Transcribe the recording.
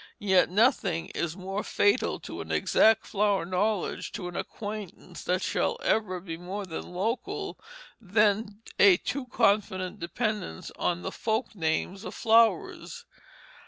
Yet nothing is more fatal to an exact flower knowledge, to an acquaintance that shall ever be more than local, than a too confident dependence on the folk names of flowers.